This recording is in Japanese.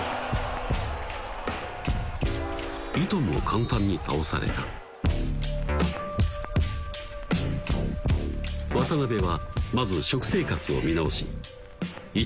簡単に倒された渡邊はまず食生活を見直し